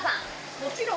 もちろん。